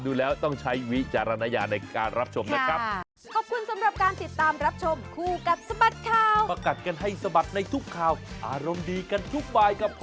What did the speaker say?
ดูแล้วต้องใช้วิจารณญาณในการรับชมนะครับ